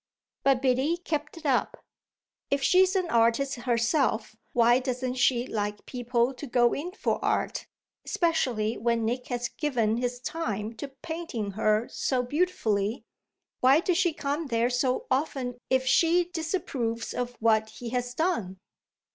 But Biddy kept it up. "If she's an artist herself why doesn't she like people to go in for art, especially when Nick has given his time to painting her so beautifully? Why does she come there so often if she disapproves of what he has done?"